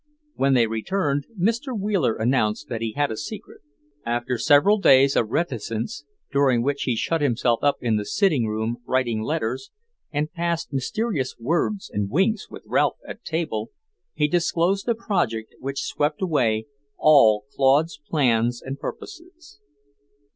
When they returned Mr. Wheeler announced that he had a secret. After several days of reticence, during which he shut himself up in the sitting room writing letters, and passed mysterious words and winks with Ralph at table, he disclosed a project which swept away all Claude's plans and purposes.